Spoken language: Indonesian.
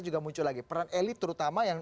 juga muncul lagi peran elit terutama yang